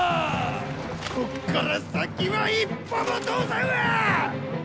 こっから先は一歩も通さんわ！